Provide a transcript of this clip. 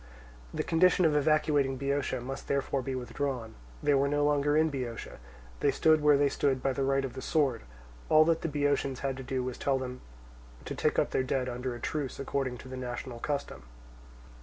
The condition of evacuating Boeotia must therefore be withdrawn. They were no longer in Boeotia. They stood where they stood by the right of the sword. All that the Boeotians had to do was to tell them to take up their dead under a truce according to the national custom.